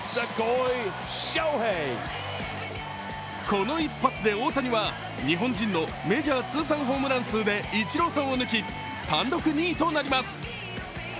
この一発で大谷は、日本人のメジャー通算ホームラン数でイチローさんを抜き単独２位となります。